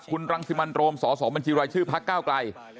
คุณรังสิมันโรมสสบัญชีรายชื่อพักเก้าไกล